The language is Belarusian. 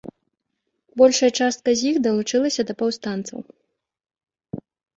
Большая частка з іх далучылася да паўстанцаў.